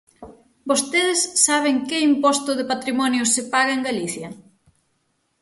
¿Vostedes saben que imposto de patrimonio se paga en Galicia?